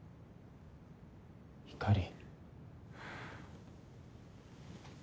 ひかり。